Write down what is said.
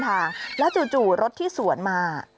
ทางตรงตามเส้นทางแล้วจู่รถที่สวนมา